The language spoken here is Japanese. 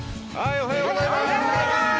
おはようございます。